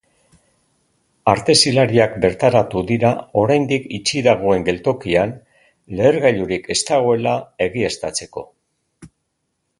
Artezilariak bertaratu dira oraindik itxi dagoen geltokian, lehergailurik ez dagoela egiaztatzeko.